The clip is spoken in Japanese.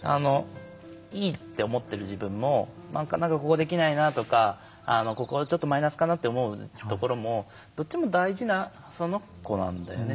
いいって思ってる自分も何かここできないなとかここはちょっとマイナスかなって思うところもどっちも大事なその子なんだよね。